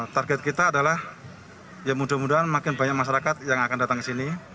target kita adalah ya mudah mudahan makin banyak masyarakat yang akan datang ke sini